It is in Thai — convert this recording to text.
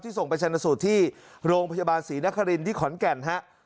ส่งไปชนสูตรที่โรงพยาบาลศรีนครินที่ขอนแก่นฮะ